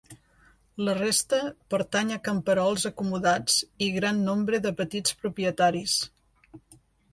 La resta pertany a camperols acomodats i gran nombre de petits propietaris.